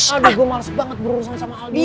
ada gua males banget berurusan sama aldino